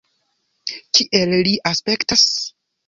Kiel li aspektas?